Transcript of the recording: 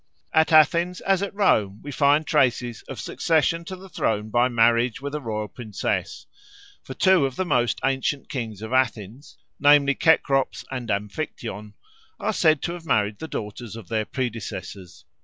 At Athens, as at Rome, we find traces of succession to the throne by marriage with a royal princess; for two of the most ancient kings of Athens, namely Cecrops and Amphictyon, are said to have married the daughters of their predecessors.